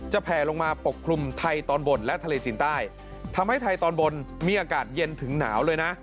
แผลลงมาปกคลุมไทยตอนบนและทะเลจีนใต้ทำให้ไทยตอนบนมีอากาศเย็นถึงหนาวเลยนะ